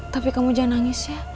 tapi kamu jangan nangis ya